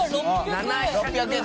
７００円！